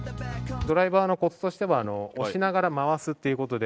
ドライバーのコツとしては押しながら回すっていう事で。